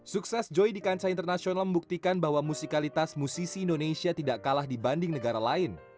sukses joy di kancah internasional membuktikan bahwa musikalitas musisi indonesia tidak kalah dibanding negara lain